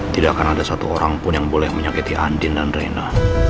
tidak akan ada satu orang pun yang boleh menyakiti andin dan rena